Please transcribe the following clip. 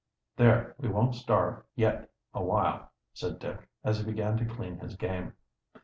"There, we won't starve yet awhile," said Dick, as he began to clean his game.